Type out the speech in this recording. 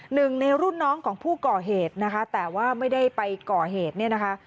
หนึ่งในรุ่นน้องของผู้ก่อเหตุนะคะแต่ว่าไม่ได้ไปก่อเหตุเนี่ยนะคะ